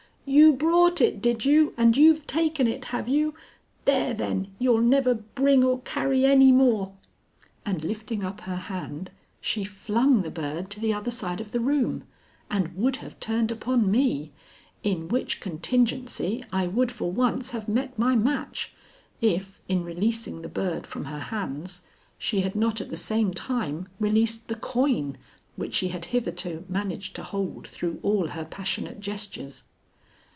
"You brought it, did you, and you've taken it, have you? There, then! You'll never bring or carry any more!" And lifting up her hand, she flung the bird to the other side of the room, and would have turned upon me, in which contingency I would for once have met my match, if, in releasing the bird from her hands, she had not at the same time released the coin which she had hitherto managed to hold through all her passionate gestures.